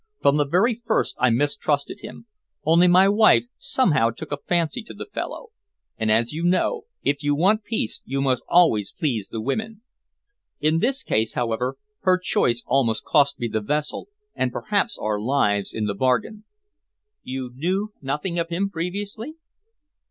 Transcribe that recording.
From the very first I mistrusted him, only my wife somehow took a fancy to the fellow, and, as you know, if you want peace you must always please the women. In this case, however, her choice almost cost me the vessel, and perhaps our lives into the bargain." "You knew nothing of him previously?"